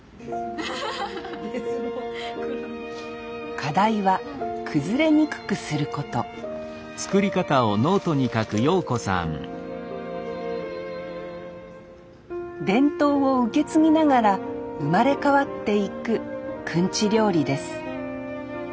課題は崩れにくくすること伝統を受け継ぎながら生まれ変わっていくくんち料理です